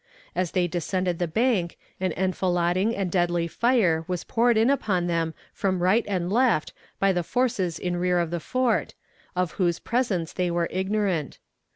As they descended the bank an enfilading and deadly fire was poured in upon them from right and left by the forces in rear of the fort, of whose presence they were ignorant.